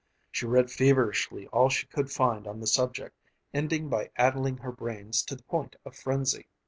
She read feverishly all she could find on the subject, ending by addling her brains to the point of frenzy.